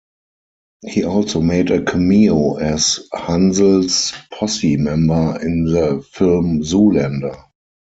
He also made a cameo as Hansel's Posse member in the film Zoolander.